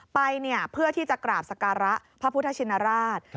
ไปเพื่อที่จะกราบสการะพระพุทธชินราช